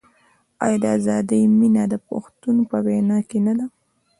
آیا د ازادۍ مینه د پښتون په وینه کې نه ده؟